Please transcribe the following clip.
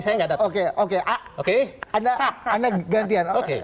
saya tidak datang